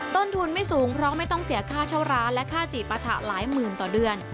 ต้นทุนไม่สูงเพราะไม่ต้องเสียค่าเช่าร้านและค่าจีบปะถะหลายหมื่นต่อเดือน